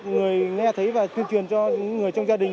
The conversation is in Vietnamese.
người nghe thấy và tuyên truyền cho những người trong gia đình